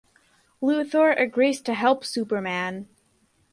Luthor agrees to help Superman.